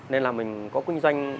nên là mình có kinh doanh